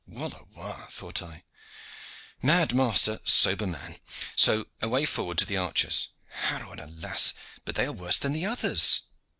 'Walawa,' thought I, 'mad master, sober man' so away forward to the archers. Harrow and alas! but they were worse than the others."